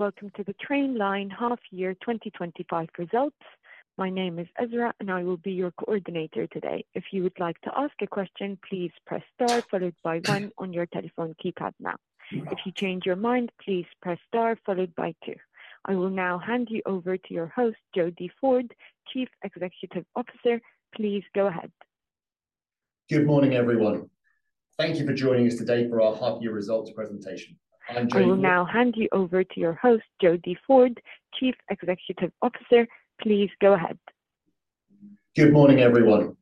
Welcome to the Trainline Half Year 2025 results. My name is Ezra, and I will be your coordinator today. If you would like to ask a question, please press star followed by one on your telephone keypad now. If you change your mind, please press star followed by two. I will now hand you over to your host, Jody Ford, Chief Executive Officer. Please go ahead. Good morning, everyone. Thank you for joining us today for our half-year results presentation. I'm Jody. I will now hand you over to your host, Jody Ford, Chief Executive Officer. Please go ahead. Good morning, everyone.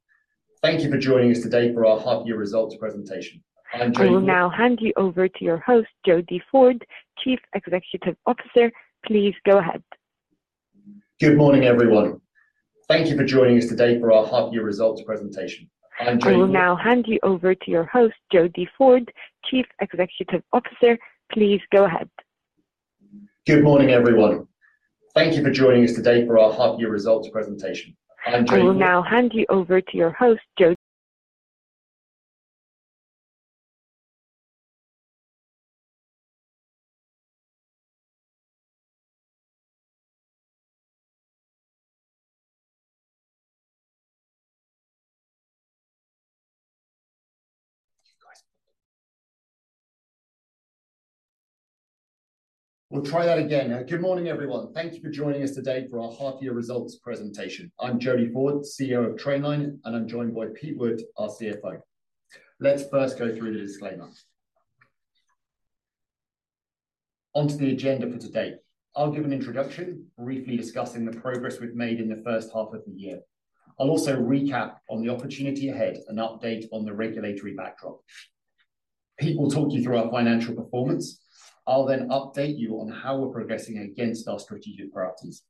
Thank you for joining us today for our half-year results presentation. I'm Jody. I will now hand you over to your host, Jody Ford, Chief Executive Officer. Please go ahead. Good morning, everyone. Thank you for joining us today for our half-year results presentation. I'm Jody. I will now hand you over to your host, Jody Ford, Chief Executive Officer. Please go ahead. Good morning, everyone. Thank you for joining us today for our half-year results presentation. I'm Jody. I will now hand you over to your host, Jody. We'll try that again. Good morning, everyone. Thank you for joining us today for our half-year results presentation. I'm Jody Ford, CEO of Trainline, and I'm joined by Pete Wood, our CFO. Let's first go through the disclaimer. Onto the agenda for today. I'll give an introduction, briefly discussing the progress we've made in the first half of the year. I'll also recap on the opportunity ahead and update on the regulatory backdrop. Pete will talk you through our financial performance. I'll then update you on how we're progressing against our strategic priorities.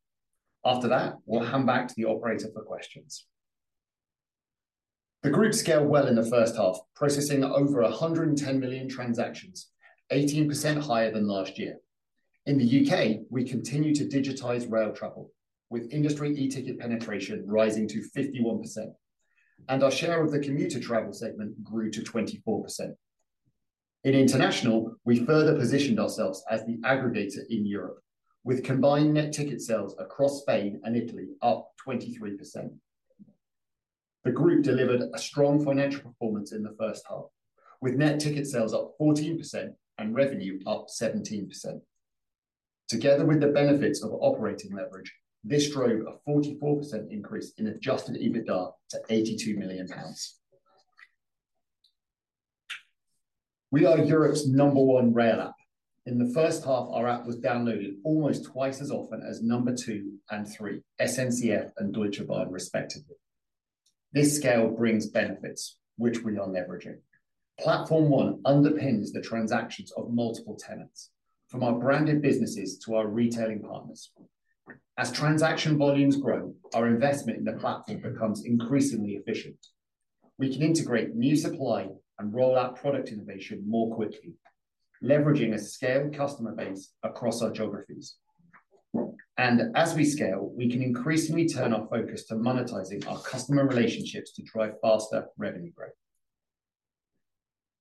After that, we'll hand back to the operator for questions. The group scaled well in the first half, processing over 110 million transactions, 18% higher than last year. In the U.K., we continue to digitize rail travel, with industry e-ticket penetration rising to 51%, and our share of the commuter travel segment grew to 24%. In international, we further positioned ourselves as the aggregator in Europe, with combined net ticket sales across Spain and Italy up 23%. The group delivered a strong financial performance in the first half, with net ticket sales up 14% and revenue up 17%. Together with the benefits of Operating Leverage, this drove a 44% increase in Adjusted EBITDA to 82 million pounds. We are Europe's number one rail app. In the first half, our app was downloaded almost twice as often as number two and three, SNCF and Deutsche Bahn, respectively. This scale brings benefits, which we are leveraging. Platform One underpins the transactions of multiple tenants, from our branded businesses to our retailing partners. As transaction volumes grow, our investment in the platform becomes increasingly efficient. We can integrate new supply and roll out product innovation more quickly, leveraging a scaled customer base across our geographies. As we scale, we can increasingly turn our focus to monetizing our customer relationships to drive faster revenue growth.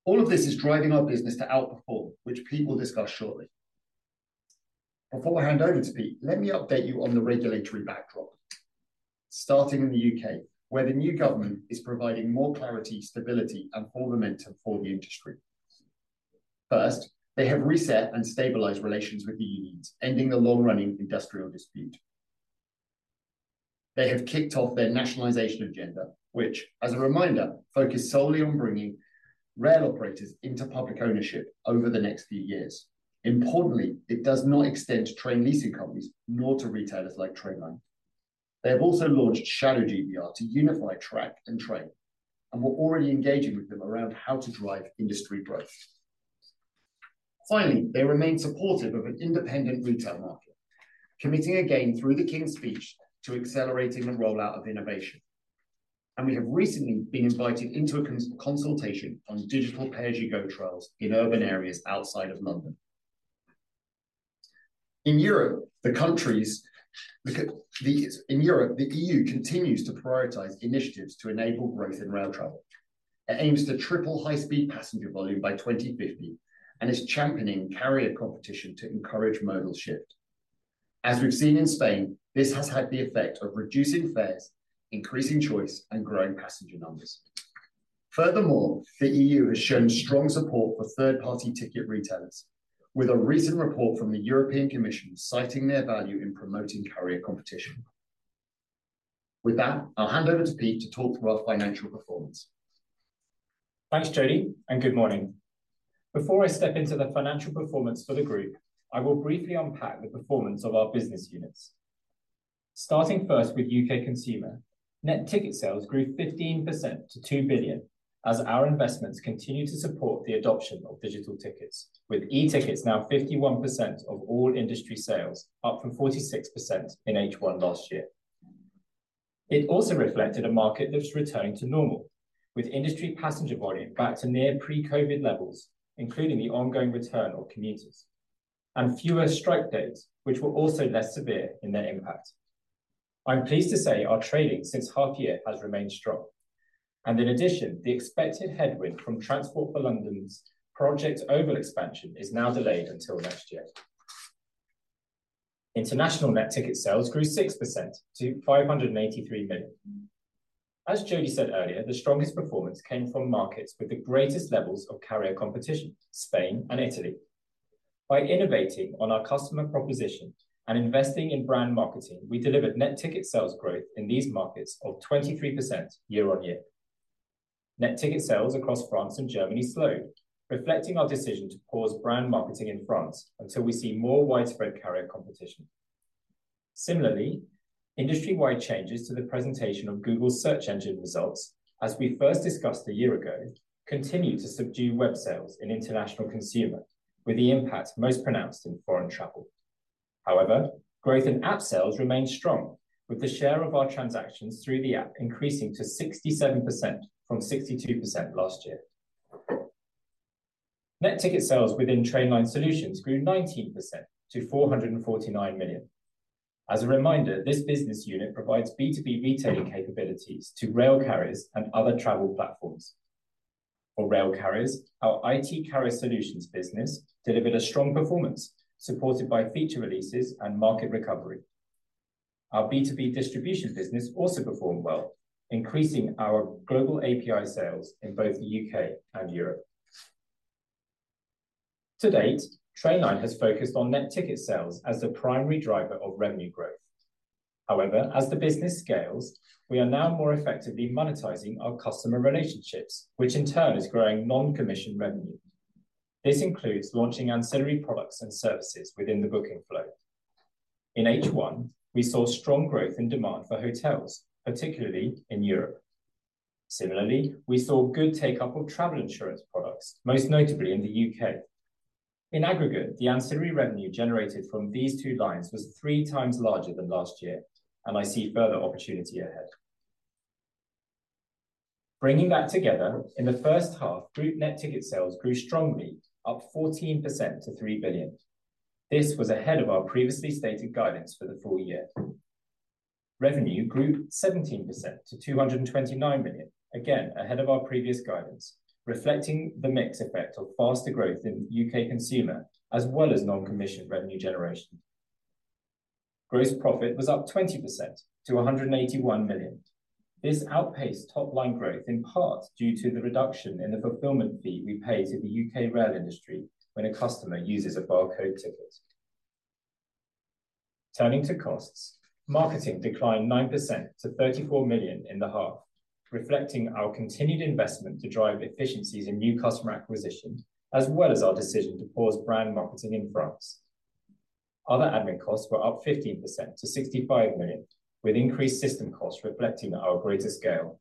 All of this is driving our business to outperform, which Pete will discuss shortly. Before I hand over to Pete, let me update you on the regulatory backdrop. Starting in the U.K., where the new government is providing more clarity, stability, and full momentum for the industry. First, they have reset and stabilized relations with the EU, ending the long-running industrial dispute. They have kicked off their nationalization agenda, which, as a reminder, focuses solely on bringing rail operators into public ownership over the next few years. Importantly, it does not extend to train leasing companies, nor to retailers like Trainline. They have also launched Shadow GBR to unify track and train, and we're already engaging with them around how to drive industry growth. Finally, they remain supportive of an independent retail market, committing again through the King's Speech to accelerating the rollout of innovation, and we have recently been invited into a consultation on Digital PAYG trials in urban areas outside of London. In Europe, the EU continues to prioritize initiatives to enable growth in rail travel. It aims to triple high-speed passenger volume by 2050 and is championing carrier competition to encourage modal shift. As we've seen in Spain, this has had the effect of reducing fares, increasing choice, and growing passenger numbers. Furthermore, the EU has shown strong support for third-party ticket retailers, with a recent report from the European Commission citing their value in promoting carrier competition. With that, I'll hand over to Pete to talk through our financial performance. Thanks, Jody, and good morning. Before I step into the financial performance for the group, I will briefly unpack the performance of our business units. Starting first with U.K. consumer, net ticket sales grew 15% to 2 billion as our investments continue to support the adoption of digital tickets, with e-tickets now 51% of all industry sales, up from 46% in H1 last year. It also reflected a market that's returning to normal, with industry passenger volume back to near pre-COVID levels, including the ongoing return of commuters, and fewer strike days, which were also less severe in their impact. I'm pleased to say our trading since half year has remained strong, and in addition, the expected headwind from Transport for London's Project Oval expansion is now delayed until next year. International net ticket sales grew 6% to 583 million. As Jody said earlier, the strongest performance came from markets with the greatest levels of carrier competition, Spain and Italy. By innovating on our customer proposition and investing in brand marketing, we delivered net ticket sales growth in these markets of 23% year-on-year. Net ticket sales across France and Germany slowed, reflecting our decision to pause brand marketing in France until we see more widespread carrier competition. Similarly, industry-wide changes to the presentation of Google Search Engine results, as we first discussed a year ago, continue to subdue web sales in international consumer, with the impact most pronounced in foreign travel. However, growth in app sales remained strong, with the share of our transactions through the app increasing to 67% from 62% last year. Net ticket sales within Trainline Solutions grew 19% to 449 million. As a reminder, this business unit provides B2B retailing capabilities to rail carriers and other travel platforms. For rail carriers, our IT carrier solutions business delivered a strong performance, supported by feature releases and market recovery. Our B2B distribution business also performed well, increasing our global API sales in both the U.K. and Europe. To date, Trainline has focused on net ticket sales as the primary driver of revenue growth. However, as the business scales, we are now more effectively monetizing our customer relationships, which in turn is growing non-commission revenue. This includes launching ancillary products and services within the booking flow. In H1, we saw strong growth in demand for hotels, particularly in Europe. Similarly, we saw good take-up of travel insurance products, most notably in the U.K. In aggregate, the ancillary revenue generated from these two lines was three times larger than last year, and I see further opportunity ahead. Bringing that together, in the first half, group net ticket sales grew strongly, up 14% to 3 billion. This was ahead of our previously stated guidance for the full year. Revenue grew 17% to 229 million, again ahead of our previous guidance, reflecting the mixed effect of faster growth in U.K. consumer as well as non-commission revenue generation. Gross profit was up 20% to 181 million. This outpaced top-line growth in part due to the reduction in the fulfillment fee we pay to the U.K. rail industry when a customer uses a barcode ticket. Turning to costs, marketing declined 9% to 34 million in the half, reflecting our continued investment to drive efficiencies in new customer acquisition, as well as our decision to pause brand marketing in France. Other admin costs were up 15% to 65 million, with increased system costs reflecting our greater scale,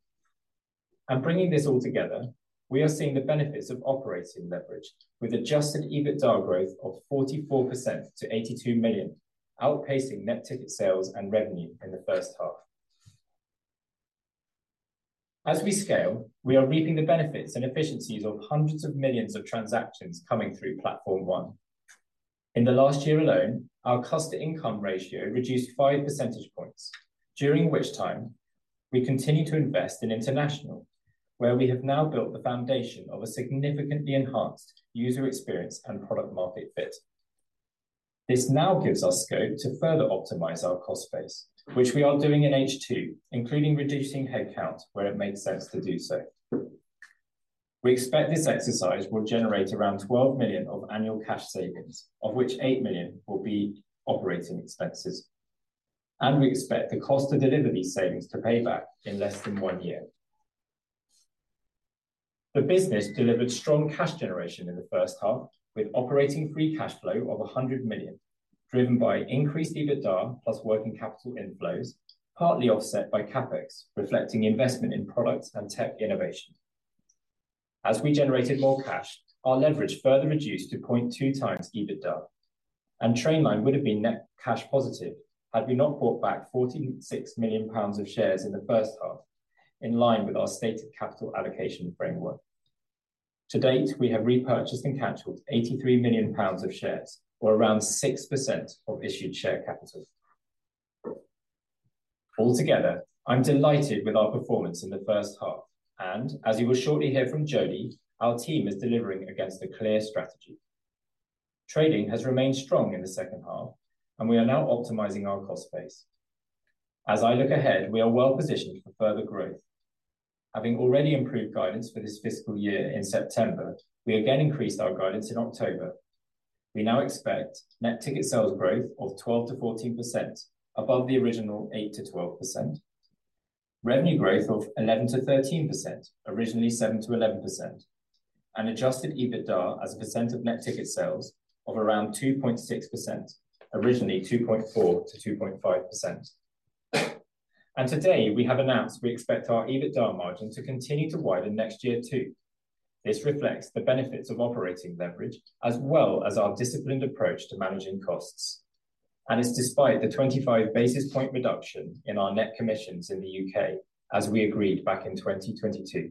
and bringing this all together, we are seeing the benefits of Operating Leverage, with Adjusted EBITDA growth of 44% to 82 million, outpacing Net Ticket Sales and revenue in the first half. As we scale, we are reaping the benefits and efficiencies of hundreds of millions of transactions coming through Platform One. In the last year alone, our cost-to-income ratio reduced five percentage points, during which time we continue to invest in international, where we have now built the foundation of a significantly enhanced user experience and product-market fit. This now gives us scope to further optimize our cost base, which we are doing in H2, including reducing headcount where it makes sense to do so. We expect this exercise will generate around 12 million of annual cash savings, of which 8 million will be operating expenses, and we expect the cost to deliver these savings to pay back in less than one year. The business delivered strong cash generation in the first half, with operating free cash flow of 100 million, driven by increased EBITDA plus working capital inflows, partly offset by CapEx, reflecting investment in products and tech innovation. As we generated more cash, our leverage further reduced to 0.2x EBITDA, and Trainline would have been net cash positive had we not bought back 46 million pounds of shares in the first half, in line with our stated capital allocation framework. To date, we have repurchased and canceled 83 million pounds of shares, or around 6% of issued share capital. Altogether, I'm delighted with our performance in the first half. And as you will shortly hear from Jody, our team is delivering against a clear strategy. Trading has remained strong in the second half, and we are now optimizing our cost base. As I look ahead, we are well positioned for further growth. Having already improved guidance for this fiscal year in September, we again increased our guidance in October. We now expect net ticket sales growth of 12%-14%, above the original 8%-12%. Revenue growth of 11%-13%, originally 7%-11%. And adjusted EBITDA as a percent of net ticket sales of around 2.6%, originally 2.4%-2.5%. And today, we have announced we expect our EBITDA margin to continue to widen next year too. This reflects the benefits of operating leverage, as well as our disciplined approach to managing costs, and it's despite the 25 basis point reduction in our net commissions in the U.K., as we agreed back in 2022.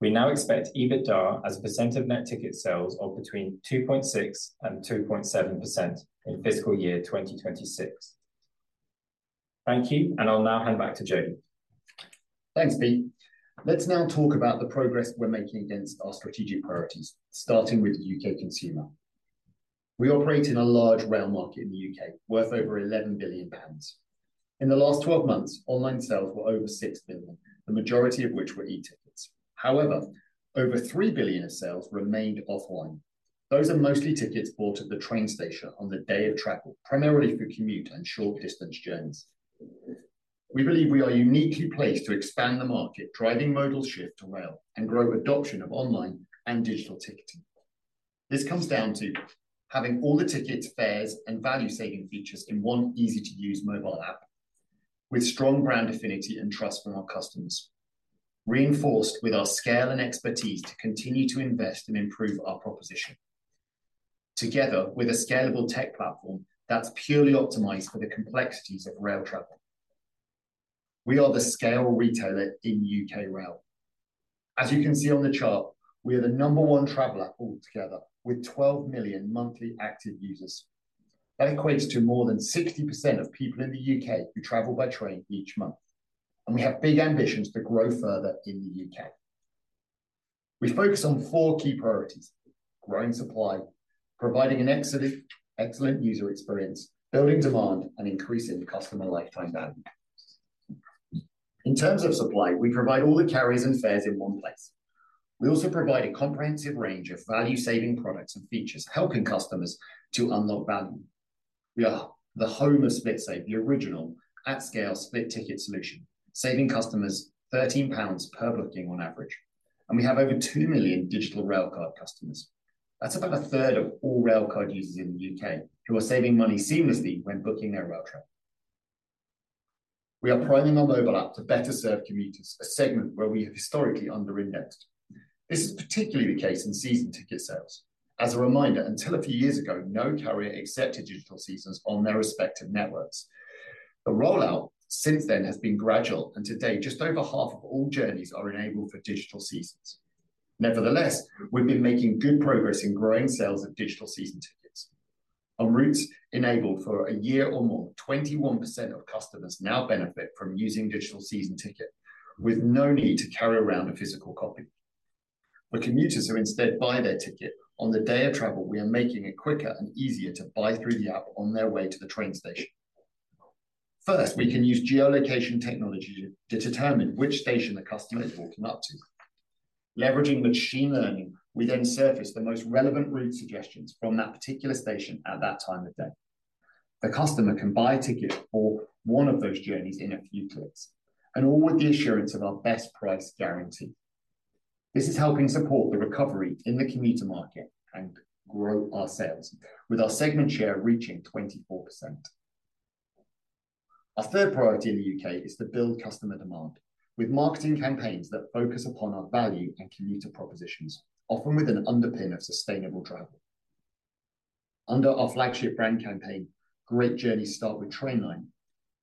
We now expect EBITDA as a percent of net ticket sales of between 2.6% and 2.7% in fiscal year 2026. Thank you, and I'll now hand back to Jody. Thanks, Pete. Let's now talk about the progress we're making against our strategic priorities, starting with the U.K. consumer. We operate in a large rail market in the U.K., worth over 11 billion pounds. In the last 12 months, online sales were over 6 billion, the majority of which were e-tickets. However, over 3 billion of sales remained offline. Those are mostly tickets bought at the train station on the day of travel, primarily for commute and short-distance journeys. We believe we are uniquely placed to expand the market, driving modal shift to rail and grow adoption of online and digital ticketing. This comes down to having all the tickets, fares, and value-saving features in one easy-to-use mobile app, with strong brand affinity and trust from our customers, reinforced with our scale and expertise to continue to invest and improve our proposition, together with a scalable tech platform that's purely optimized for the complexities of rail travel. We are the scale retailer in U.K. rail. As you can see on the chart, we are the number one traveler altogether, with 12 million monthly active users. That equates to more than 60% of people in the U.K. who travel by train each month. And we have big ambitions to grow further in the U.K.. We focus on four key priorities: growing supply, providing an excellent user experience, building demand, and increasing customer lifetime value. In terms of supply, we provide all the carriers and fares in one place. We also provide a comprehensive range of value-saving products and features, helping customers to unlock value. We are the home of SplitSave, the original at-scale split ticket solution, saving customers 13 pounds per booking on average. And we have over 2 million Digital Railcard customers. That's about a third of all railcard users in the U.K. who are saving money seamlessly when booking their rail travel. We are priming our mobile app to better serve commuters, a segment where we have historically underindexed. This is particularly the case in season ticket sales. As a reminder, until a few years ago, no carrier accepted digital seasons on their respective networks. The rollout since then has been gradual, and today, just over half of all journeys are enabled for digital season tickets. Nevertheless, we've been making good progress in growing sales of digital season tickets. On routes enabled for a year or more, 21% of customers now benefit from using digital season tickets, with no need to carry around a physical copy. The commuters who instead buy their ticket on the day of travel, we are making it quicker and easier to buy through the app on their way to the train station. First, we can use geolocation technology to determine which station the customer is walking up to. Leveraging machine learning, we then surface the most relevant route suggestions from that particular station at that time of day. The customer can buy a ticket for one of those journeys in a few clicks, and all with the assurance of our Best Price Guarantee. This is helping support the recovery in the commuter market and grow our sales, with our segment share reaching 24%. Our third priority in the U.K. is to build customer demand, with marketing campaigns that focus upon our value and commuter propositions, often with an underpin of sustainable travel. Under our flagship brand campaign, Great Journeys Start with Trainline.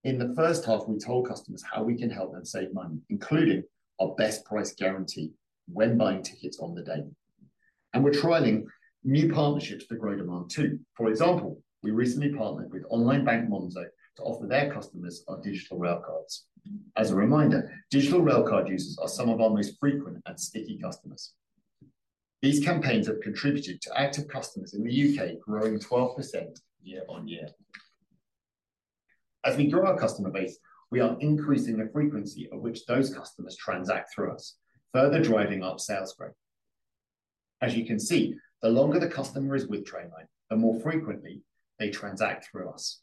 In the first half, we told customers how we can help them save money, including our Best Price Guarantee when buying tickets on the day, and we're trialing new partnerships to grow demand too. For example, we recently partnered with online bank Monzo to offer their customers our digital railcards. As a reminder, digital railcard users are some of our most frequent and sticky customers. These campaigns have contributed to active customers in the U.K. growing 12% year-on-year. As we grow our customer base, we are increasing the frequency at which those customers transact through us, further driving our sales growth. As you can see, the longer the customer is with Trainline, the more frequently they transact through us.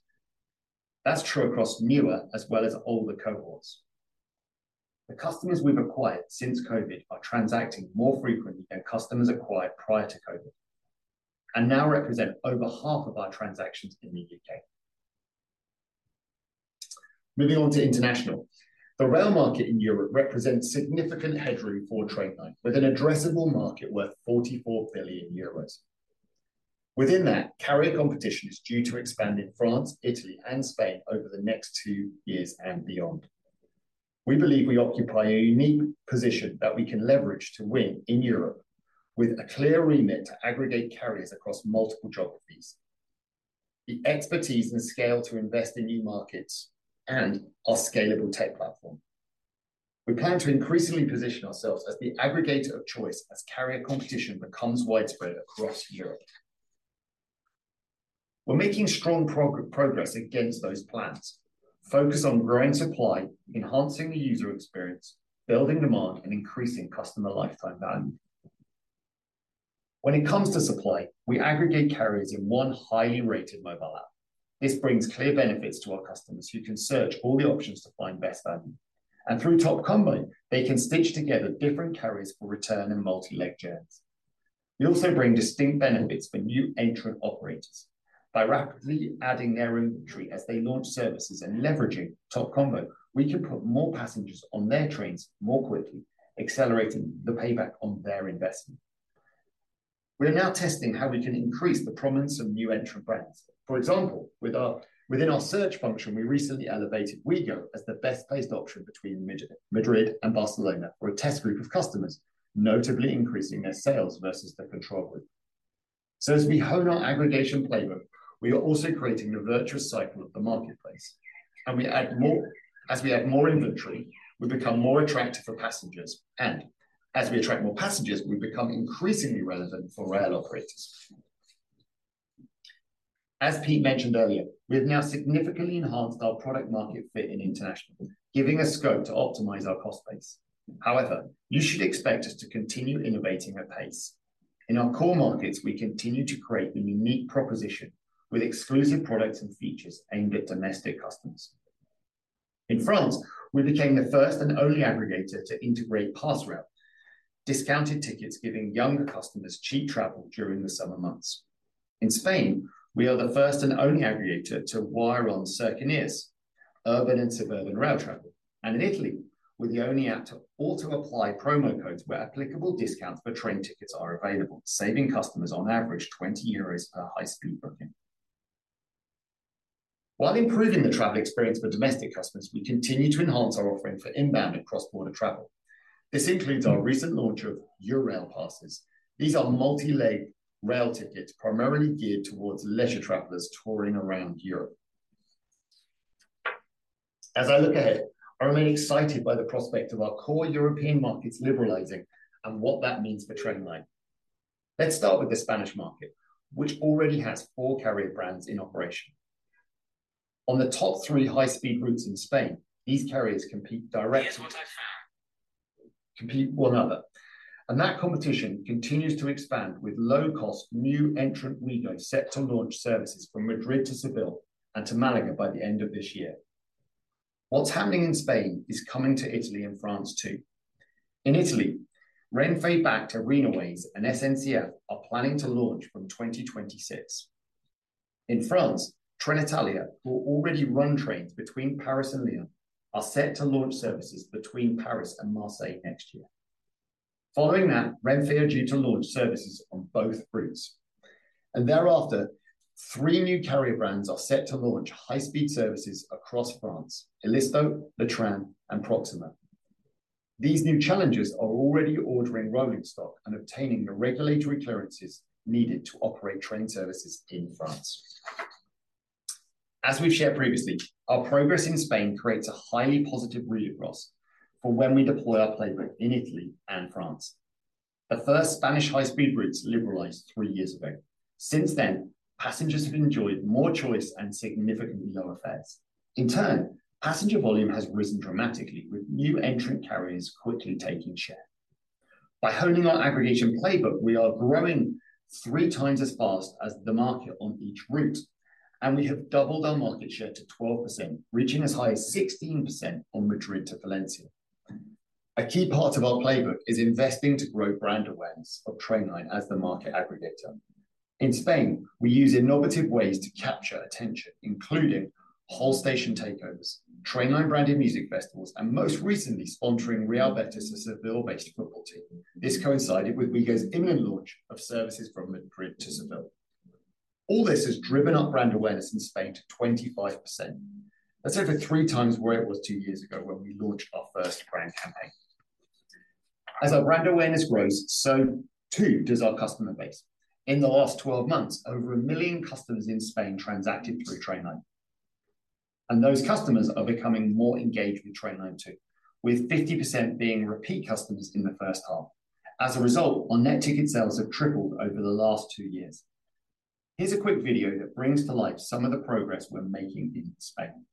That's true across newer as well as older cohorts. The customers we've acquired since COVID are transacting more frequently than customers acquired prior to COVID, and now represent over half of our transactions in the U.K. Moving on to international, the rail market in Europe represents significant headroom for Trainline, with an addressable market worth 44 billion euros. Within that, carrier competition is due to expand in France, Italy, and Spain over the next two years and beyond. We believe we occupy a unique position that we can leverage to win in Europe, with a clear remit to aggregate carriers across multiple geographies, the expertise and scale to invest in new markets, and our scalable tech platform. We plan to increasingly position ourselves as the aggregator of choice as carrier competition becomes widespread across Europe. We're making strong progress against those plans, focusing on growing supply, enhancing the user experience, building demand, and increasing customer lifetime value. When it comes to supply, we aggregate carriers in one highly rated mobile app. This brings clear benefits to our customers, who can search all the options to find best value. And through TopCombo, they can stitch together different carriers for return and multi-leg journeys. We also bring distinct benefits for new entrant operators. By rapidly adding their inventory as they launch services and leveraging TopCombo, we can put more passengers on their trains more quickly, accelerating the payback on their investment. We're now testing how we can increase the prominence of new entrant brands. For example, within our search function, we recently elevated Ouigo as the best-placed option between Madrid and Barcelona, for a test group of customers, notably increasing their sales versus the control group. So as we hone our aggregation playbook, we are also creating the virtuous cycle of the marketplace. And as we add more inventory, we become more attractive for passengers. And as we attract more passengers, we become increasingly relevant for rail operators. As Pete mentioned earlier, we have now significantly enhanced our product-market fit in international, giving us scope to optimize our cost base. However, you should expect us to continue innovating at pace. In our core markets, we continue to create a unique proposition with exclusive products and features aimed at domestic customers. In France, we became the first and only aggregator to integrate Pass Rail, discounted tickets, giving younger customers cheap travel during the summer months. In Spain, we are the first and only aggregator to offer Cercanías, urban and suburban rail travel. And in Italy, we're the only app to auto-apply promo codes where applicable discounts for train tickets are available, saving customers on average 20 euros per high-speed booking. While improving the travel experience for domestic customers, we continue to enhance our offering for inbound and cross-border travel. This includes our recent launch of Eurail Passes. These are multi-leg rail tickets, primarily geared towards leisure travelers touring around Europe. As I look ahead, I remain excited by the prospect of our core European markets liberalizing and what that means for Trainline. Let's start with the Spanish market, which already has four carrier brands in operation. On the top three high-speed routes in Spain, these carriers compete directly with one another. And that competition continues to expand with low-cost new entrant Ouigo set to launch services from Madrid to Seville and to Malaga by the end of this year. What's happening in Spain is coming to Italy and France too. In Italy, Renfe backed Arenaways and SNCF are planning to launch from 2026. In France, Trenitalia, who already runs trains between Paris and Lyon, are set to launch services between Paris and Marseille next year. Following that, Renfe are due to launch services on both routes. And thereafter, three new carrier brands are set to launch high-speed services across France: ilisto, Le Train, and Proxima. These new challengers are already ordering rolling stock and obtaining the regulatory clearances needed to operate train services in France. As we've shared previously, our progress in Spain creates a highly positive read across for when we deploy our playbook in Italy and France. The first Spanish high-speed routes liberalized three years ago. Since then, passengers have enjoyed more choice and significantly lower fares. In turn, passenger volume has risen dramatically, with new entrant carriers quickly taking share. By honing our aggregation playbook, we are growing three times as fast as the market on each route, and we have doubled our market share to 12%, reaching as high as 16% on Madrid to Valencia. A key part of our playbook is investing to grow brand awareness of Trainline as the market aggregator. In Spain, we use innovative ways to capture attention, including whole-station takeovers, Trainline-branded music festivals, and most recently, sponsoring Real Betis' Seville-based football team. This coincided with Ouigo's imminent launch of services from Madrid to Seville. All this has driven up brand awareness in Spain to 25%. That's over three times where it was two years ago when we launched our first brand campaign. As our brand awareness grows, so too does our customer base. In the last 12 months, over a million customers in Spain transacted through Trainline, and those customers are becoming more engaged with Trainline too, with 50% being repeat customers in the first half. As a result, our Net Ticket Sales have tripled over the last two years. Here's a quick video that brings to life some of the progress we're making in Spain.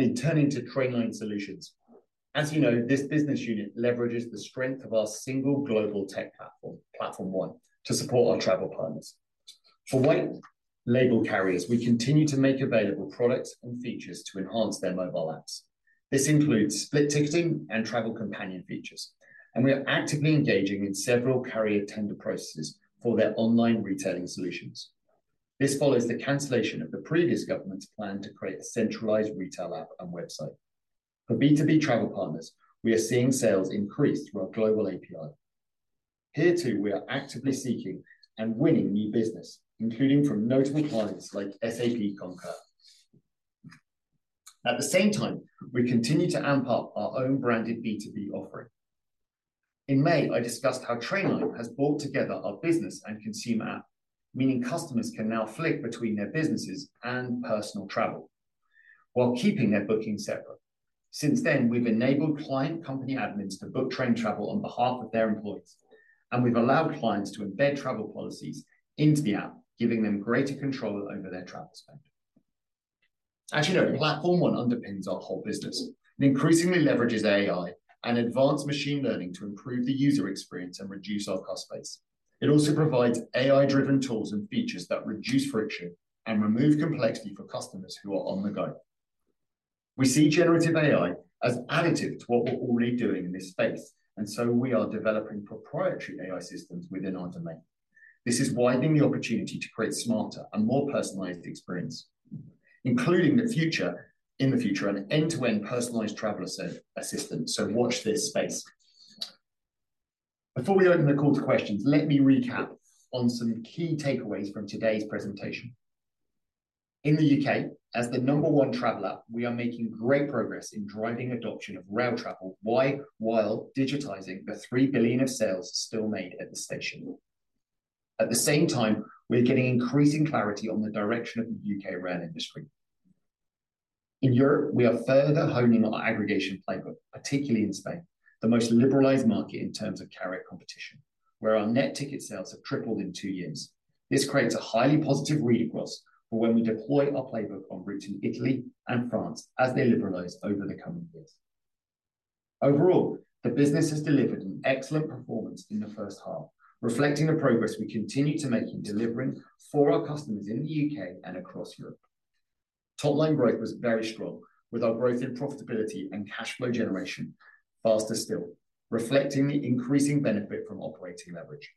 Finally, turning to Trainline Solutions. As you know, this business unit leverages the strength of our single global tech platform, Platform One, to support our travel partners. For white-label carriers, we continue to make available products and features to enhance their mobile apps. This includes split ticketing and travel companion features. And we are actively engaging in several carrier tender processes for their online retailing solutions. This follows the cancellation of the previous government's plan to create a centralized retail app and website. For B2B travel partners, we are seeing sales increase through our global API. Here too, we are actively seeking and winning new business, including from notable clients like SAP Concur. At the same time, we continue to amp up our own branded B2B offering. In May, I discussed how Trainline has brought together our business and consumer app, meaning customers can now flick between their businesses and personal travel while keeping their booking separate. Since then, we've enabled client company admins to book train travel on behalf of their employees. And we've allowed clients to embed travel policies into the app, giving them greater control over their travel spend. As you know, Platform One underpins our whole business and increasingly leverages AI and advanced machine learning to improve the user experience and reduce our cost base. It also provides AI-driven tools and features that reduce friction and remove complexity for customers who are on the go. We see generative AI as additive to what we're already doing in this space. And so we are developing proprietary AI systems within our domain. This is widening the opportunity to create smarter and more personalized experience, including the future in the future and end-to-end personalized traveler assistance. So watch this space. Before we open the call to questions, let me recap on some key takeaways from today's presentation. In the U.K., as the number one traveler, we are making great progress in driving adoption of rail travel, while digitizing the 3 billion of sales still made at the station. At the same time, we're getting increasing clarity on the direction of the U.K. rail industry. In Europe, we are further honing our aggregation playbook, particularly in Spain, the most liberalized market in terms of carrier competition, where our net ticket sales have tripled in two years. This creates a highly positive read across for when we deploy our playbook on routes in Italy and France as they liberalize over the coming years. Overall, the business has delivered an excellent performance in the first half, reflecting the progress we continue to make in delivering for our customers in the U.K. and across Europe. Topline growth was very strong, with our growth in profitability and cash flow generation faster still, reflecting the increasing benefit from operating leverage.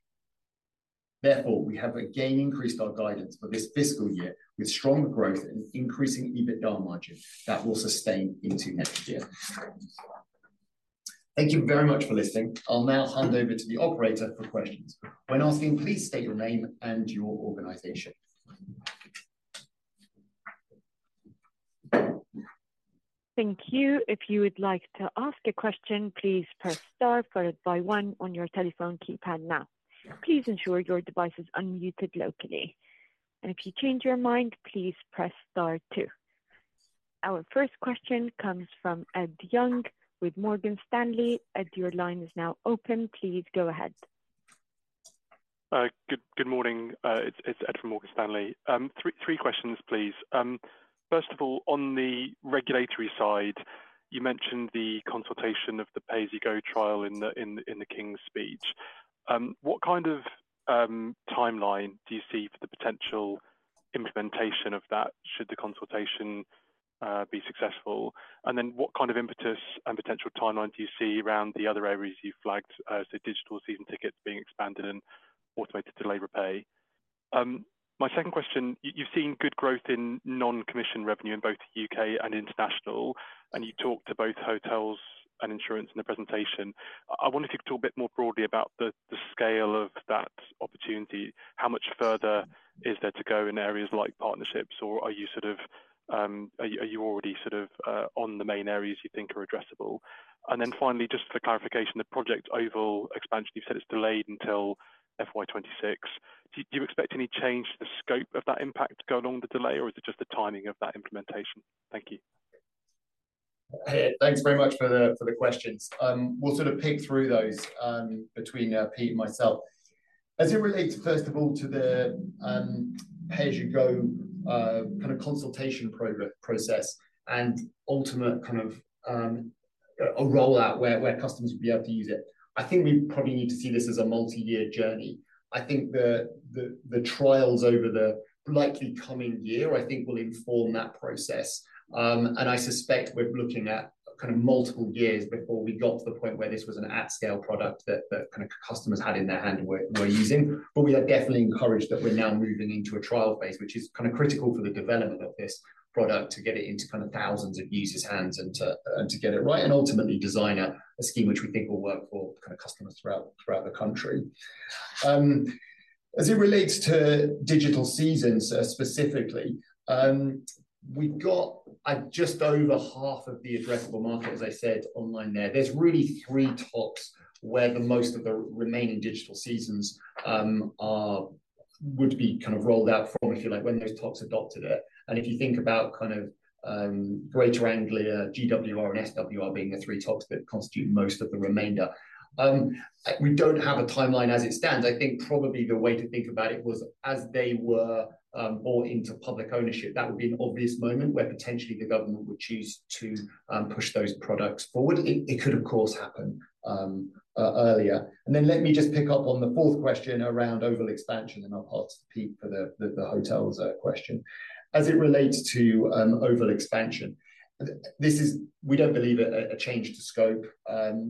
Therefore, we have again increased our guidance for this fiscal year with strong growth and increasing EBITDA margin that will sustain into next year. Thank you very much for listening. I'll now hand over to the operator for questions. When asking, please state your name and your organization. Thank you. If you would like to ask a question, please press star, followed by one on your telephone keypad now. Please ensure your device is unmuted locally, and if you change your mind, please press star two. Our first question comes from Ed Young with Morgan Stanley. Ed, your line is now open. Please go ahead. Good morning. It's Ed from Morgan Stanley. Three questions, please. First of all, on the regulatory side, you mentioned the consultation of the Pay As You Go trial in the King's Speech. What kind of timeline do you see for the potential implementation of that should the consultation be successful? And then what kind of impetus and potential timeline do you see around the other areas you've flagged? So digital season tickets being expanded and automated Delay Repay. My second question, you've seen good growth in non-commission revenue in both the U.K. and international. And you talked to both hotels and insurance in the presentation. I wonder if you could talk a bit more broadly about the scale of that opportunity. How much further is there to go in areas like partnerships? Or are you sort of already on the main areas you think are addressable? And then finally, just for clarification, the Project Oval expansion, you've said it's delayed until FY2026. Do you expect any change to the scope of that impact going on with the delay? Or is it just the timing of that implementation? Thank you. Thanks very much for the questions. We'll sort of pick through those between Pete and myself. As it relates, first of all, to the Pay As You Go kind of consultation process and ultimate kind of a rollout where customers will be able to use it, I think we probably need to see this as a multi-year journey. I think the trials over the likely coming year, I think, will inform that process, and I suspect we're looking at kind of multiple years before we got to the point where this was an at-scale product that kind of customers had in their hand and were using. But we are definitely encouraged that we're now moving into a trial phase, which is kind of critical for the development of this product to get it into kind of thousands of users' hands and to get it right and ultimately design a scheme which we think will work for kind of customers throughout the country. As it relates to digital seasons specifically, we've got just over half of the addressable market, as I said, online there. There's really three TOCs where most of the remaining digital seasons would be kind of rolled out from, if you like, when those TOCs adopted it, and if you think about kind of Greater Anglia, GWR, and SWR being the three TOCs that constitute most of the remainder, we don't have a timeline as it stands. I think probably the way to think about it was as they were brought into public ownership. That would be an obvious moment where potentially the government would choose to push those products forward. It could, of course, happen earlier, and then let me just pick up on the fourth question around Oval expansion, and I'll pass to Pete for the hotels question. As it relates to Oval expansion, we don't believe a change to scope.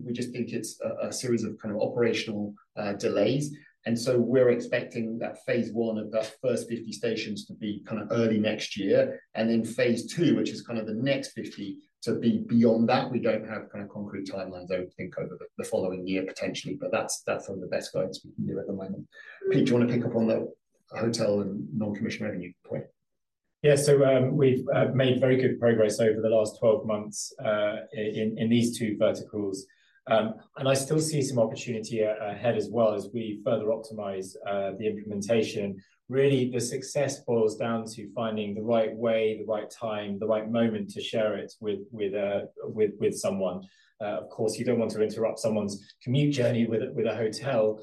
We just think it's a series of kind of operational delays, and so we're expecting that phase I of the first 50 stations to be kind of early next year, and then phase II, which is kind of the next 50, to be beyond that. We don't have kind of concrete timelines, I would think, over the following year potentially, but that's some of the best guidance we can do at the moment. Pete, do you want to pick up on the hotel and non-commission revenue point? Yeah. So we've made very good progress over the last 12 months in these two verticals. And I still see some opportunity ahead as well as we further optimize the implementation. Really, the success boils down to finding the right way, the right time, the right moment to share it with someone. Of course, you don't want to interrupt someone's commute journey with a hotel.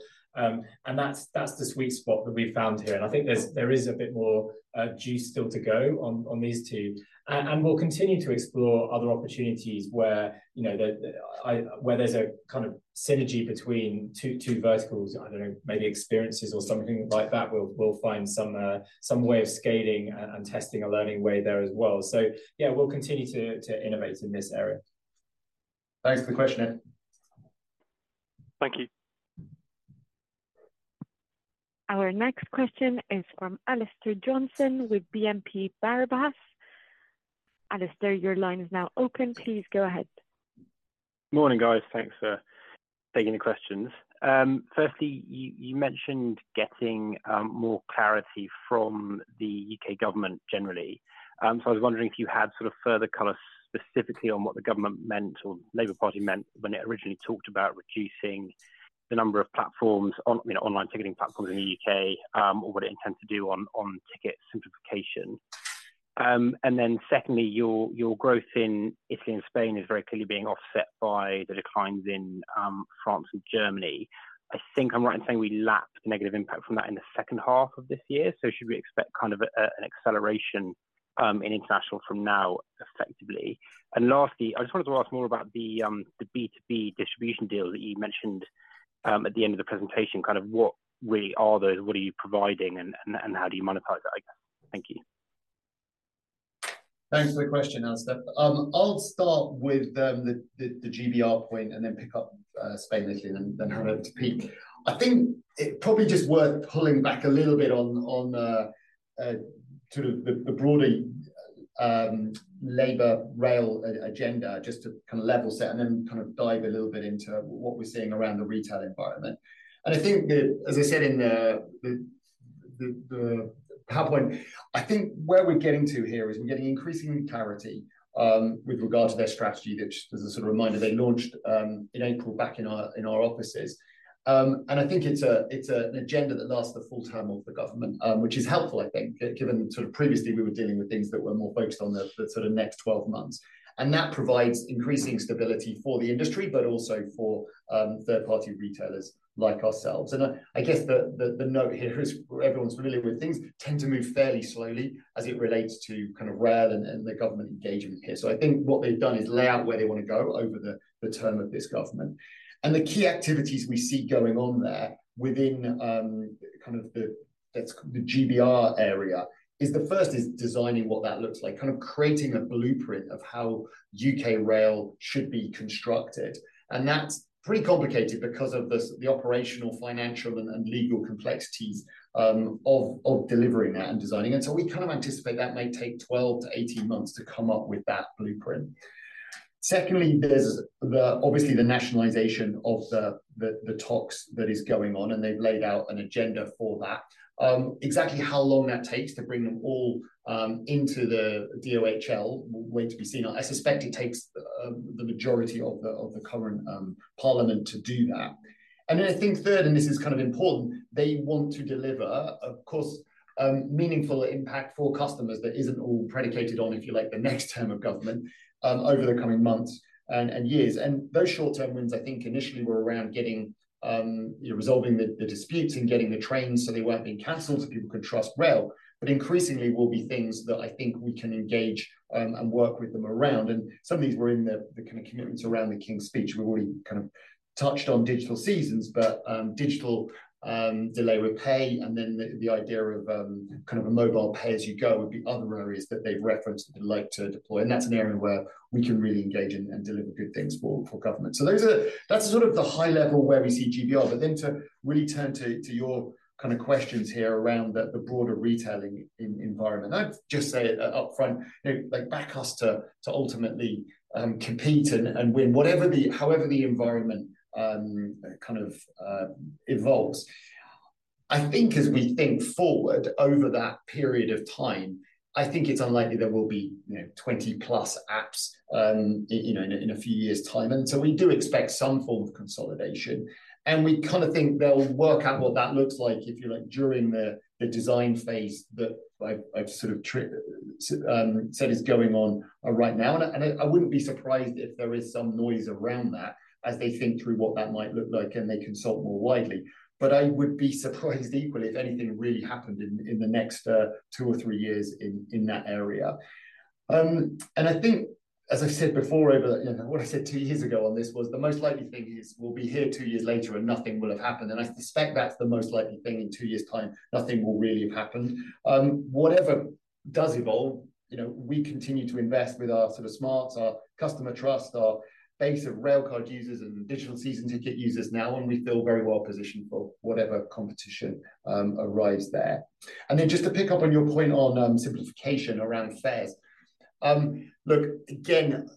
And that's the sweet spot that we've found here. And I think there is a bit more juice still to go on these two. And we'll continue to explore other opportunities where there's a kind of synergy between two verticals. I don't know, maybe experiences or something like that. We'll find some way of scaling and testing a learning way there as well. So yeah, we'll continue to innovate in this area. Thanks for the question, Ed. Thank you. Our next question is from Alistair Johnson with BNP Paribas. Alistair, your line is now open. Please go ahead. Morning, guys. Thanks for taking the questions. Firstly, you mentioned getting more clarity from the U.K. government generally. So I was wondering if you had sort of further color specifically on what the government meant or Labour Party meant when it originally talked about reducing the number of platforms, online ticketing platforms in the U.K., or what it intends to do on ticket simplification? And then secondly, your growth in Italy and Spain is very clearly being offset by the declines in France and Germany. I think I'm right in saying we lapped the negative impact from that in the second half of this year. So should we expect kind of an acceleration in international from now effectively? And lastly, I just wanted to ask more about the B2B distribution deal that you mentioned at the end of the presentation. Kind of what really are those? What are you providing? How do you monetize that, I guess? Thank you. Thanks for the question, Alistair. I'll start with the GBR point and then pick up Spain, Italy, and then hand over to Pete. I think it's probably just worth pulling back a little bit on sort of the broader Labour rail agenda just to kind of level set and then kind of dive a little bit into what we're seeing around the retail environment, and I think, as I said in the PowerPoint, I think where we're getting to here is we're getting increasing clarity with regard to their strategy, which was a sort of reminder they launched in April, back in our offices, and I think it's an agenda that lasts the full term of the government, which is helpful, I think, given sort of previously we were dealing with things that were more focused on the sort of next 12 months. That provides increasing stability for the industry, but also for third-party retailers like ourselves. I guess the note here is everyone's familiar with things tend to move fairly slowly as it relates to kind of rail and the government engagement here. I think what they've done is lay out where they want to go over the term of this government. The key activities we see going on there within kind of the GBR area is the first is designing what that looks like, kind of creating a blueprint of how U.K. rail should be constructed. That's pretty complicated because of the operational, financial, and legal complexities of delivering that and designing it. We kind of anticipate that may take 12-18 months to come up with that blueprint. Secondly, there's obviously the nationalization of the TOCs that is going on. And they've laid out an agenda for that, exactly how long that takes to bring them all into the DOHL. We'll have to wait and see. I suspect it takes the majority of the current parliament to do that. And then I think third, and this is kind of important, they want to deliver, of course, meaningful impact for customers that isn't all predicated on, if you like, the next term of government over the coming months and years. And those short-term wins, I think initially were around getting to resolving the disputes and getting the trains so they weren't being canceled so people could trust rail. But increasingly, there will be things that I think we can engage and work with them around. And some of these were in the kind of commitments around the King's Speech. We've already kind of touched on digital seasons, but digital Delay Repay and then the idea of kind of a mobile Pay As You Go would be other areas that they've referenced that they'd like to deploy. And that's an area where we can really engage and deliver good things for government. So that's sort of the high level where we see GBR. But then to really turn to your kind of questions here around the broader retailing environment, I'd just say upfront, back us to ultimately compete and win however the environment kind of evolves. I think as we think forward over that period of time, I think it's unlikely there will be 20+ apps in a few years' time. And so we do expect some form of consolidation. And we kind of think they'll work out what that looks like, if you like, during the design phase that I've sort of said is going on right now. And I wouldn't be surprised if there is some noise around that as they think through what that might look like and they consult more widely. But I would be surprised equally if anything really happened in the next two or three years in that area. And I think, as I've said before, what I said two years ago on this was the most likely thing is we'll be here two years later and nothing will have happened. And I suspect that's the most likely thing in two years' time, nothing will really have happened. Whatever does evolve, we continue to invest with our sort of smarts, our customer trust, our base of railcard users and digital season ticket users now. We feel very well positioned for whatever competition arises there. Just to pick up on your point on simplification around fares, look, again,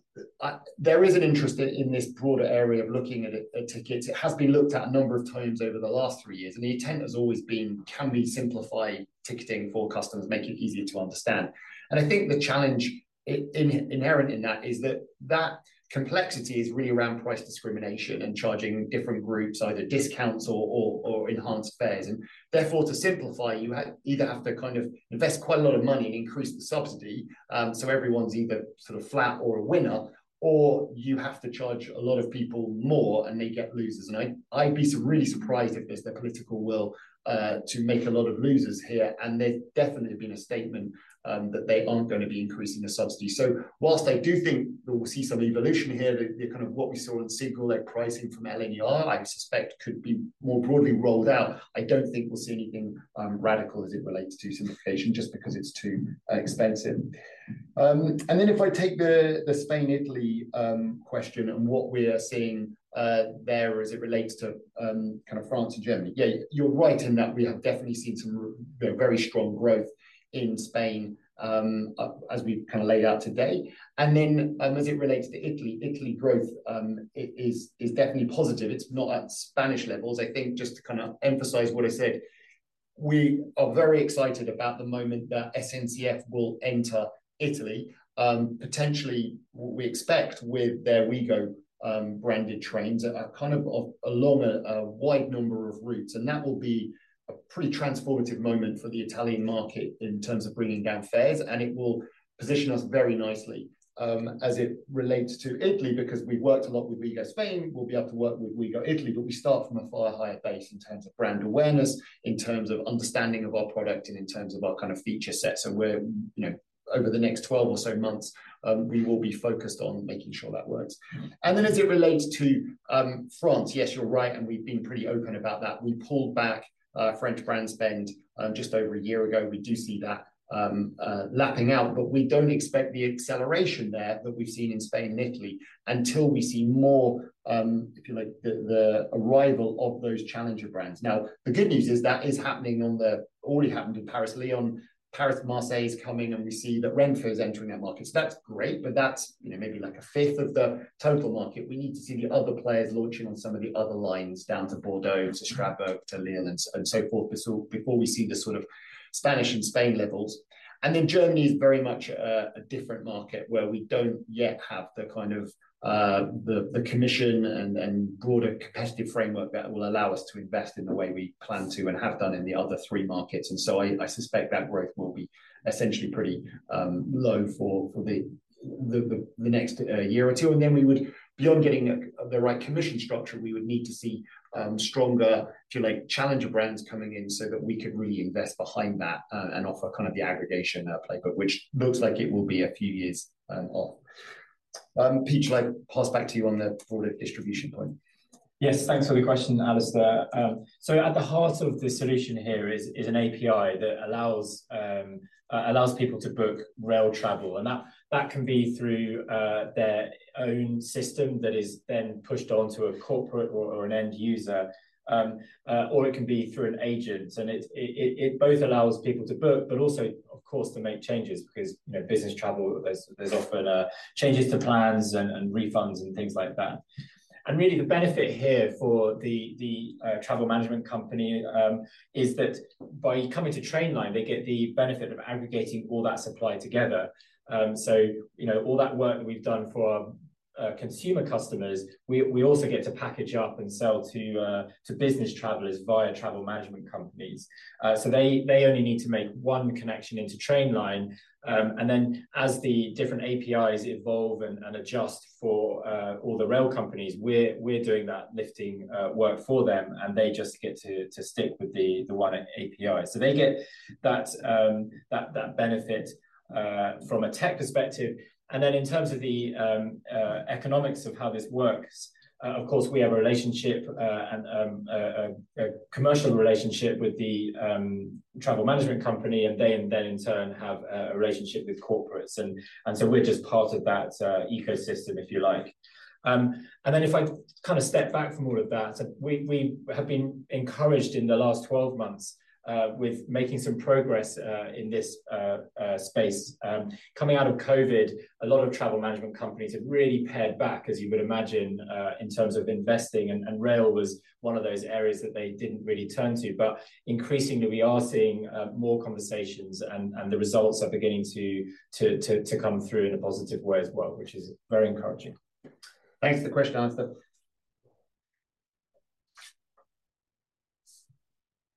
there is an interest in this broader area of looking at tickets. It has been looked at a number of times over the last three years. The intent has always been can we simplify ticketing for customers, make it easier to understand? I think the challenge inherent in that is that that complexity is really around price discrimination and charging different groups, either discounts or enhanced fares. Therefore, to simplify, you either have to kind of invest quite a lot of money and increase the subsidy so everyone's either sort of flat or a winner, or you have to charge a lot of people more and they get losers. I'd be really surprised if there's the political will to make a lot of losers here. There's definitely been a statement that they aren't going to be increasing the subsidy. While I do think that we'll see some evolution here, kind of what we saw in Single, that pricing from LNER, I suspect, could be more broadly rolled out. I don't think we'll see anything radical as it relates to simplification just because it's too expensive. If I take the Spain, Italy question and what we are seeing there as it relates to kind of France and Germany, yeah, you're right in that we have definitely seen some very strong growth in Spain as we've kind of laid out today. As it relates to Italy, Italy growth is definitely positive. It's not at Spanish levels. I think just to kind of emphasize what I said, we are very excited about the moment that SNCF will enter Italy. Potentially, we expect with their Ouigo branded trains kind of along a wide number of routes. And that will be a pretty transformative moment for the Italian market in terms of bringing down fares. And it will position us very nicely as it relates to Italy because we've worked a lot with Ouigo Spain. We'll be able to work with Ouigo Italy. But we start from a far higher base in terms of brand awareness, in terms of understanding of our product, and in terms of our kind of feature set. So over the next 12 or so months, we will be focused on making sure that works. And then as it relates to France, yes, you're right. And we've been pretty open about that. We pulled back French brand spend just over a year ago. We do see that lapping out. But we don't expect the acceleration there that we've seen in Spain and Italy until we see more, if you like, the arrival of those challenger brands. Now, the good news is that is happening and has already happened in Paris. Lyon, Paris, Marseille is coming. And we see that Renfe is entering that market. So that's great. But that's maybe like a fifth of the total market. We need to see the other players launching on some of the other lines down to Bordeaux, to Strasbourg, to Lyon, and so forth before we see the sort of Spanish and Italian levels. Germany is very much a different market where we don't yet have the kind of commission and broader competitive framework that will allow us to invest in the way we plan to and have done in the other three markets. So I suspect that growth will be essentially pretty low for the next year or two. Then we would, beyond getting the right commission structure, need to see stronger challenger brands coming in so that we could really invest behind that and offer kind of the aggregation playbook, which looks like it will be a few years off. Pete, should I pass back to you on the broader distribution point? Yes. Thanks for the question, Alistair. So at the heart of the solution here is an API that allows people to book rail travel. And that can be through their own system that is then pushed onto a corporate or an end user. Or it can be through an agent. And it both allows people to book, but also, of course, to make changes because business travel, there's often changes to plans and refunds and things like that. And really, the benefit here for the travel management company is that by coming to Trainline, they get the benefit of aggregating all that supply together. So all that work that we've done for consumer customers, we also get to package up and sell to business travelers via travel management companies. So they only need to make one connection into Trainline. And then as the different APIs evolve and adjust for all the rail companies, we're doing that lifting work for them. And they just get to stick with the one API. So they get that benefit from a tech perspective. And then in terms of the economics of how this works, of course, we have a relationship, a commercial relationship with the travel management company. And they then, in turn, have a relationship with corporates. And so we're just part of that ecosystem, if you like. And then if I kind of step back from all of that, we have been encouraged in the last 12 months with making some progress in this space. Coming out of COVID, a lot of travel management companies have really pared back, as you would imagine, in terms of investing. And rail was one of those areas that they didn't really turn to. But increasingly, we are seeing more conversations. And the results are beginning to come through in a positive way as well, which is very encouraging. Thanks for the question, Alistair.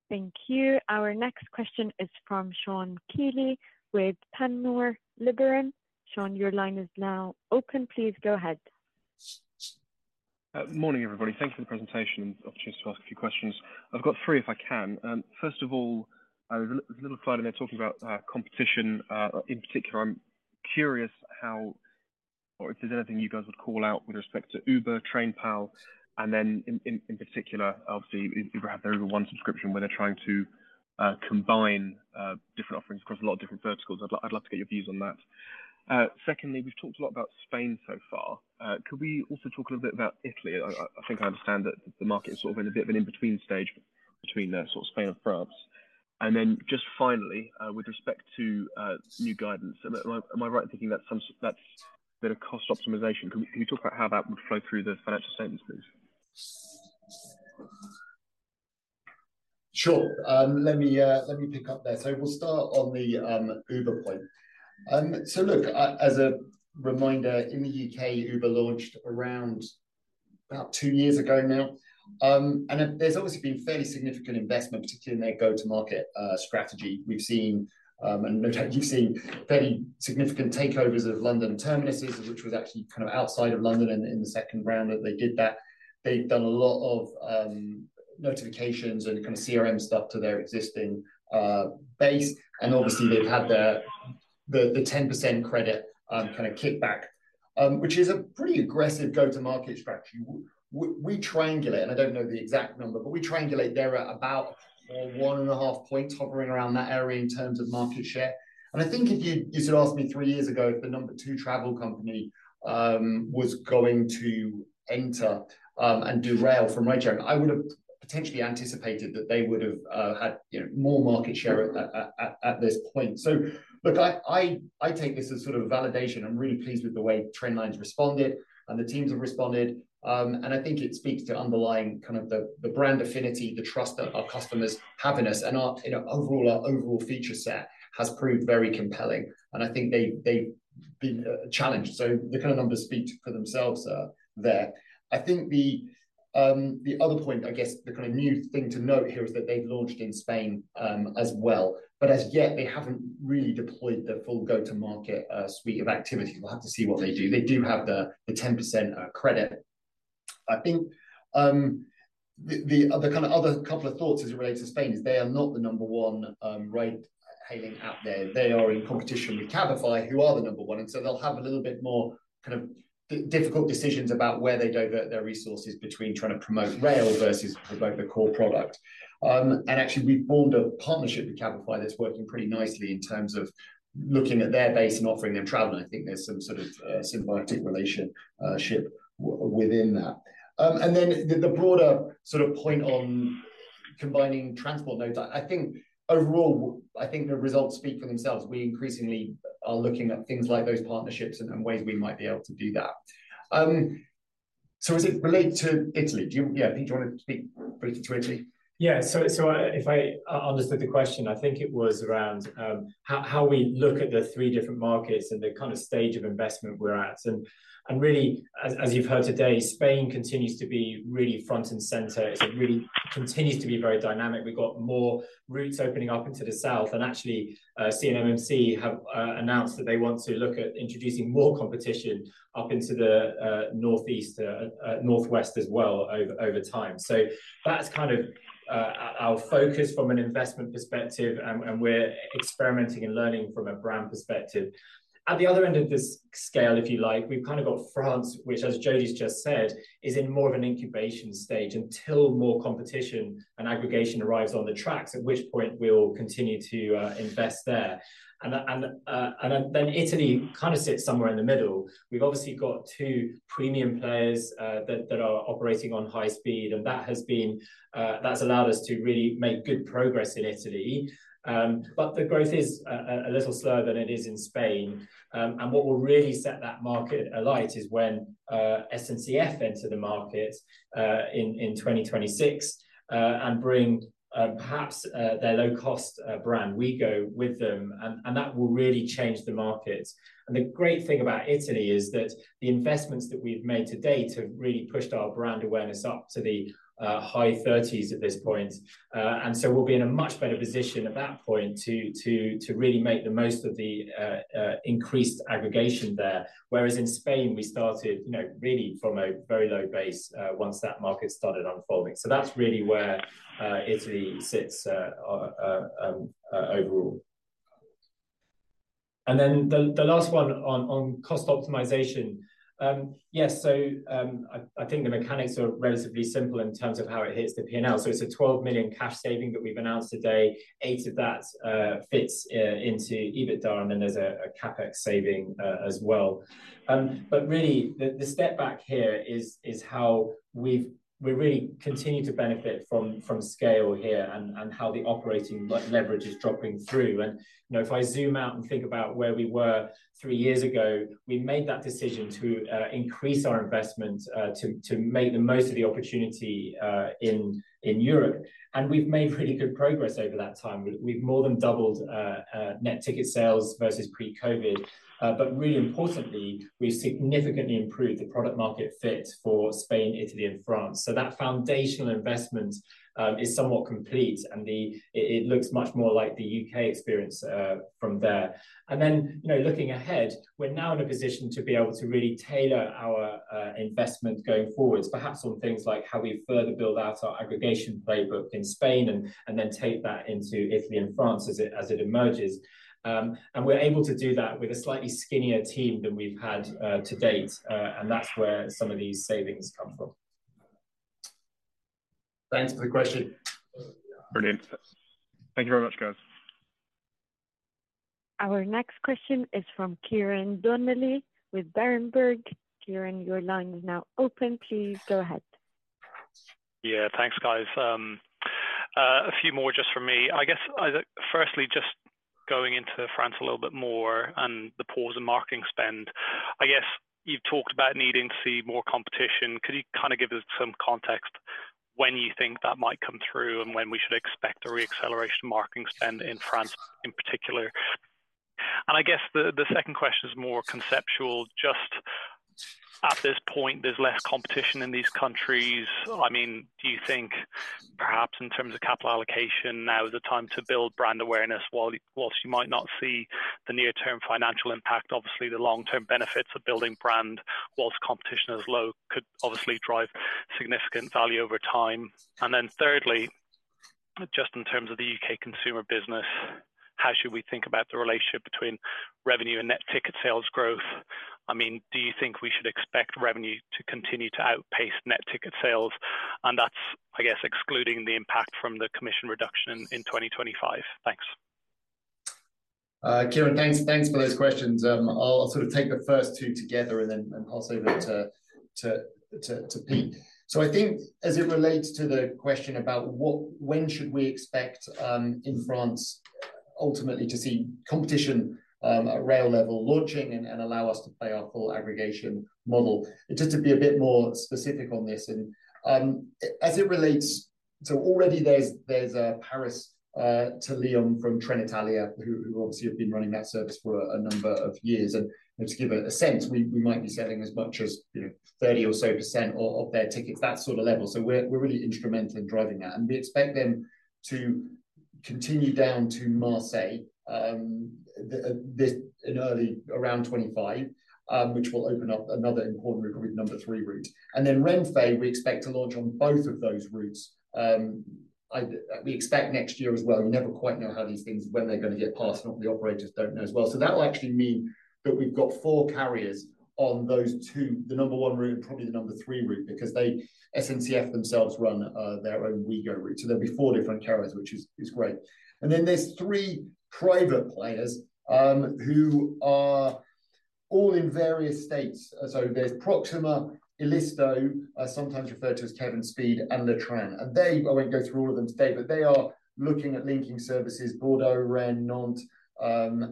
Thank you. Our next question is from Sean Kealy with Panmure Liberum. Sean, your line is now open. Please go ahead. Morning, everybody. Thank you for the presentation and opportunity to ask a few questions. I've got three if I can. First of all, there's a little slide in there talking about competition. In particular, I'm curious how or if there's anything you guys would call out with respect to Uber, TrainPal, and then in particular, obviously, Uber have their Uber One subscription where they're trying to combine different offerings across a lot of different verticals. I'd love to get your views on that. Secondly, we've talked a lot about Spain so far. Could we also talk a little bit about Italy? I think I understand that the market is sort of in a bit of an in-between stage between Spain and France. And then just finally, with respect to new guidance, am I right in thinking that's a bit of cost optimization? Could you talk about how that would flow through the financial statements, please? Sure. Let me pick up there, so we'll start on the Uber point, so look, as a reminder, in the U.K., Uber launched around about two years ago now, and there's obviously been fairly significant investment, particularly in their go-to-market strategy, and you've seen fairly significant takeovers of London terminuses, which was actually kind of outside of London in the second round that they did that, and they've done a lot of notifications and kind of CRM stuff to their existing base, and obviously, they've had the 10% credit kind of kick back, which is a pretty aggressive go-to-market strategy. We triangulate, and I don't know the exact number, but we triangulate there at about one and a half points hovering around that area in terms of market share. And I think if you sort of asked me three years ago if the number two travel company was going to enter and disrupt the rail generally, I would have potentially anticipated that they would have had more market share at this point. So look, I take this as sort of validation. I'm really pleased with the way Trainline's responded and the teams have responded. And I think it speaks to underlying kind of the brand affinity, the trust that our customers have in us. And overall, our overall feature set has proved very compelling. And I think they've been challenged. So the kind of numbers speak for themselves there. I think the other point, I guess, the kind of new thing to note here is that they've launched in Spain as well. But as yet, they haven't really deployed the full go-to-market suite of activities. We'll have to see what they do. They do have the 10% credit. I think the kind of other couple of thoughts as it relates to Spain is they are not the number one ride-hailing app there. They are in competition with Cabify, who are the number one. And so they'll have a little bit more kind of difficult decisions about where they divert their resources between trying to promote rail versus the core product. And actually, we've formed a partnership with Cabify that's working pretty nicely in terms of looking at their base and offering them travel. And I think there's some sort of symbiotic relationship within that. And then the broader sort of point on combining transport nodes, I think overall, I think the results speak for themselves. We increasingly are looking at things like those partnerships and ways we might be able to do that. So as it relates to Italy, yeah, Pete, do you want to speak briefly to Italy? Yeah. So if I understood the question, I think it was around how we look at the three different markets and the kind of stage of investment we're at. And really, as you've heard today, Spain continues to be really front and center. It really continues to be very dynamic. We've got more routes opening up into the south. And actually, CNMC have announced that they want to look at introducing more competition up into the northeast, northwest as well over time. So that's kind of our focus from an investment perspective. And we're experimenting and learning from a brand perspective. At the other end of this scale, if you like, we've kind of got France, which, as Jody's just said, is in more of an incubation stage until more competition and aggregation arrives on the tracks, at which point we'll continue to invest there. Italy kind of sits somewhere in the middle. We've obviously got two premium players that are operating on high speed. That has allowed us to really make good progress in Italy. The growth is a little slower than it is in Spain. What will really set that market alight is when SNCF enter the market in 2026 and bring perhaps their low-cost brand, Ouigo, with them. That will really change the markets. The great thing about Italy is that the investments that we've made to date have really pushed our brand awareness up to the high 30s at this point. We'll be in a much better position at that point to really make the most of the increased aggregation there. Whereas in Spain, we started really from a very low base once that market started unfolding. So that's really where Italy sits overall. And then the last one on cost optimization. Yes. So I think the mechanics are relatively simple in terms of how it hits the P&L. So it's a 12 million cash saving that we've announced today. 8 million of that fits into EBITDA. And then there's a CapEx saving as well. But really, the step back here is how we've really continued to benefit from scale here and how the operating leverage is dropping through. And if I zoom out and think about where we were three years ago, we made that decision to increase our investment to make the most of the opportunity in Europe. And we've made really good progress over that time. We've more than doubled net ticket sales versus pre-COVID. But really importantly, we've significantly improved the product market fit for Spain, Italy, and France. So that foundational investment is somewhat complete. And it looks much more like the U.K. experience from there. And then looking ahead, we're now in a position to be able to really tailor our investment going forwards, perhaps on things like how we further build out our aggregation playbook in Spain and then take that into Italy and France as it emerges. And we're able to do that with a slightly skinnier team than we've had to date. And that's where some of these savings come from. Thanks for the question. Brilliant. Thank you very much, guys. Our next question is from Ciarán Donnelly with Berenberg. Ciarán, your line is now open. Please go ahead. Yeah. Thanks, guys. A few more just for me. I guess, firstly, just going into France a little bit more and the pause in marketing spend, I guess you've talked about needing to see more competition. Could you kind of give us some context when you think that might come through and when we should expect a reacceleration of marketing spend in France in particular? And I guess the second question is more conceptual. Just at this point, there's less competition in these countries. I mean, do you think perhaps in terms of capital allocation, now is the time to build brand awareness whilst you might not see the near-term financial impact? Obviously, the long-term benefits of building brand whilst competition is low could obviously drive significant value over time. And then thirdly, just in terms of the U.K. consumer business, how should we think about the relationship between revenue and net ticket sales growth? I mean, do you think we should expect revenue to continue to outpace net ticket sales? And that's, I guess, excluding the impact from the commission reduction in 2025. Thanks. Ciarán, thanks for those questions. I'll sort of take the first two together and then pass over to Pete. So I think as it relates to the question about when should we expect in France ultimately to see competition at rail level launching and allow us to play our full aggregation model, just to be a bit more specific on this. And as it relates to already, there's a Paris to Lyon from Trenitalia who obviously have been running that service for a number of years. And to give a sense, we might be selling as much as 30% or so of their tickets, that sort of level. So we're really instrumental in driving that. And we expect them to continue down to Marseille in early around 2025, which will open up another important route, route number three. Then Renfe, we expect to launch on both of those routes. We expect next year as well. We never quite know how these things, when they're going to get passed, and what the operators don't know as well. So that will actually mean that we've got four carriers on those two, the number one route and probably the number three route, because SNCF themselves run their own Ouigo route. So there'll be four different carriers, which is great. And then there's three private players who are all in various states. So there's Proxima, ilisto, sometimes referred to as Kevin Speed, and Le Train. And I won't go through all of them today, but they are looking at linking services, Bordeaux, Rennes, Nantes,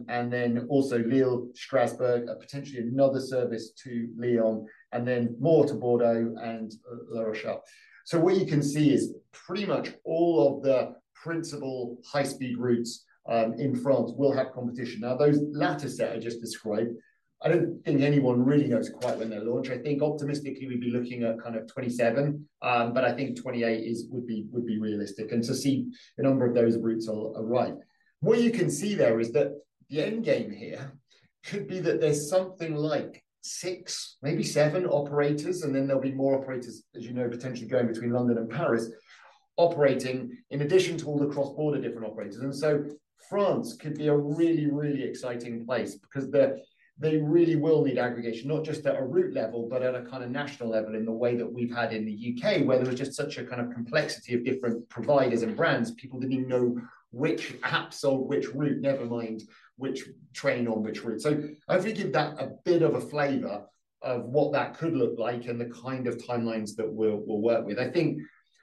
and then also Lille, Strasbourg, potentially another service to Lyon, and then more to Bordeaux and La Rochelle. So what you can see is pretty much all of the principal high-speed routes in France will have competition. Now, those latter set I just described, I don't think anyone really knows quite when they'll launch. I think optimistically, we'd be looking at kind of 2027, but I think 2028 would be realistic. And to see the number of those routes arrive. What you can see there is that the end game here could be that there's something like six, maybe seven operators, and then there'll be more operators, as you know, potentially going between London and Paris operating in addition to all the cross-border different operators. France could be a really, really exciting place because they really will need aggregation, not just at a route level, but at a kind of national level in the way that we've had in the U.K., where there was just such a kind of complexity of different providers and brands. People didn't even know which apps on which route, never mind which train on which route. I hope you give that a bit of a flavor of what that could look like and the kind of timelines that we'll work with. I think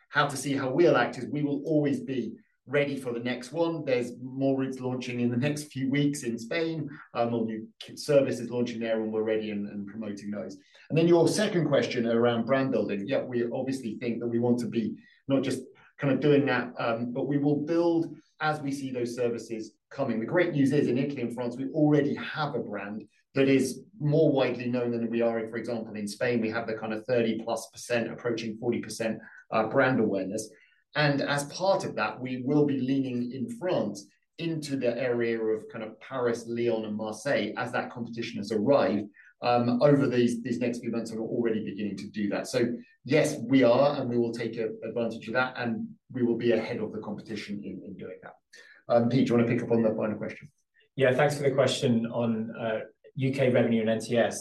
how to see how we'll act is we will always be ready for the next one. There's more routes launching in the next few weeks in Spain. More new services launching there when we're ready and promoting those. And then your second question around brand building, yeah, we obviously think that we want to be not just kind of doing that, but we will build as we see those services coming. The great news is in Italy and France, we already have a brand that is more widely known than we are in, for example, in Spain. We have the kind of 30%+, approaching 40% brand awareness. And as part of that, we will be leaning in France into the area of kind of Paris, Lyon, and Marseille as that competition has arrived over these next few months and we're already beginning to do that. So yes, we are, and we will take advantage of that, and we will be ahead of the competition in doing that. Pete, do you want to pick up on the final question? Yeah. Thanks for the question on U.K. revenue and NTS.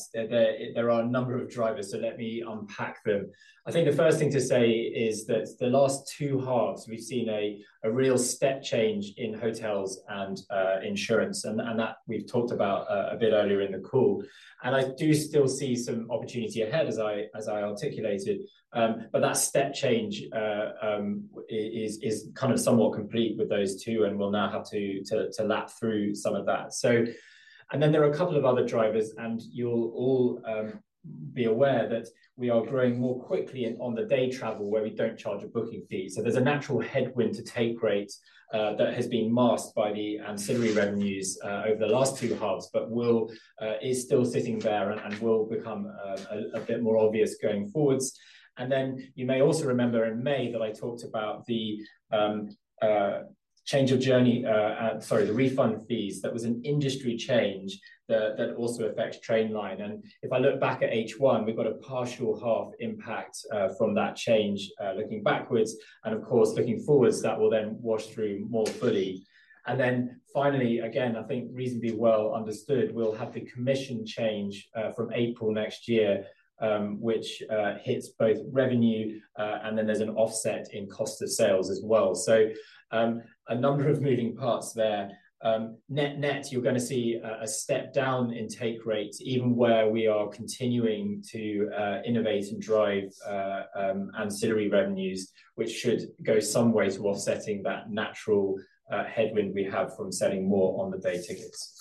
There are a number of drivers, so let me unpack them. I think the first thing to say is that the last two halves, we've seen a real step change in hotels and insurance, and that we've talked about a bit earlier in the call, and I do still see some opportunity ahead, as I articulated, but that step change is kind of somewhat complete with those two and will now have to lap through some of that, and then there are a couple of other drivers, and you'll all be aware that we are growing more quickly on the day travel where we don't charge a booking fee. There's a natural headwind to take rate that has been masked by the ancillary revenues over the last two halves, but is still sitting there and will become a bit more obvious going forwards. And then you may also remember in May that I talked about the change of journey, sorry, the refund fees. That was an industry change that also affects Trainline. And if I look back at H1, we've got a partial half impact from that change looking backwards. And of course, looking forwards, that will then wash through more fully. And then finally, again, I think reasonably well understood, we'll have the commission change from April next year, which hits both revenue, and then there's an offset in cost of sales as well. So a number of moving parts there. Net net, you're going to see a step down in take rate, even where we are continuing to innovate and drive ancillary revenues, which should go some way to offsetting that natural headwind we have from selling more on the day tickets.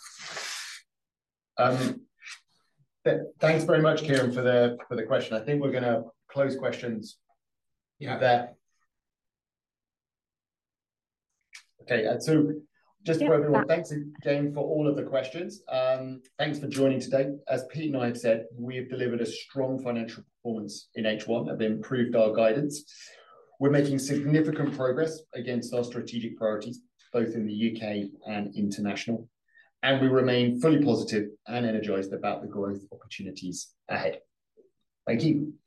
Thanks very much, Ciarán, for the question. I think we're going to close questions there. Okay. So just for everyone, thanks again for all of the questions. Thanks for joining today. As Pete and I have said, we have delivered a strong financial performance in H1. We've improved our guidance. We're making significant progress against our strategic priorities, both in the U.K. and international. And we remain fully positive and energized about the growth opportunities ahead. Thank you.